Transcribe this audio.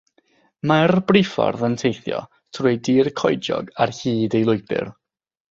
Mae'r briffordd yn teithio trwy dir coediog ar hyd ei lwybr.